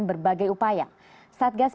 berbagai upaya satgas pertahanan